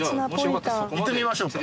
行ってみましょうか。